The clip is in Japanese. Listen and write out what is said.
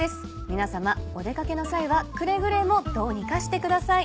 皆さまお出掛けの際はくれぐれもどうにかしてください。